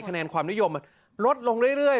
คะแนนความนิยมมันลดลงเรื่อย